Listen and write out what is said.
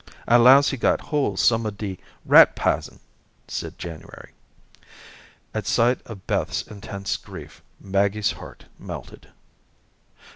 "I 'lows he got hole some of de rat pizen," said January. At sight of Beth's intense grief, Maggie's heart melted.